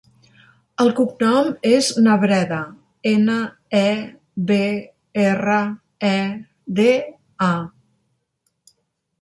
El cognom és Nebreda: ena, e, be, erra, e, de, a.